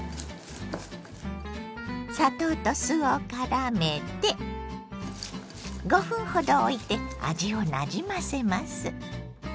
砂糖と酢をからめて５分ほどおいて味をなじませます。